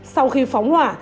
sau khi phóng hỏa